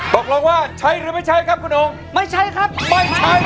ตกลงว่าใช้หรือไม่ใช้ครับคุณโอมไม่ใช้ครับไม่ใช้